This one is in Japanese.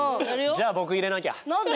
じゃあ僕入れなきゃ。